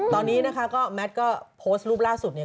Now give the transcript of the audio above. ตอนนี้นะคะก็แมทก็โพสต์รูปล่าสุดเนี่ย